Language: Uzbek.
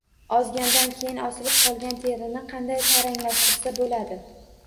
Ozgandan keyin osilib qolgan terini qanday taranglashtirsa bo‘ladi?